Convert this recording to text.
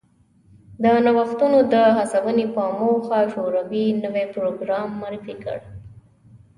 د نوښتونو د هڅونې په موخه شوروي نوی پروګرام معرفي کړ